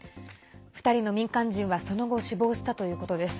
２人の民間人はその後、死亡したということです。